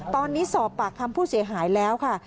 ตอนนี้สอบปากคำผู้เสียหายแล้วค่ะ